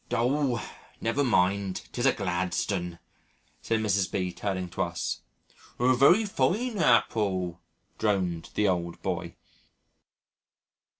"Oh! never mind, 'tis a Gladstone," said Mrs. B., turning to us. "A very fine Appull," droned the old boy.